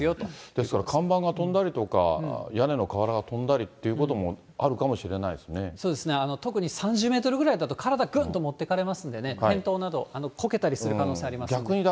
ですから、看板が飛んだりだとか、屋根の瓦が飛んだりっていうこともあるかそうですね、特に３０メートルぐらいだと体ぐっともっていかれますし、転倒など、こけたりする可能性ありますので。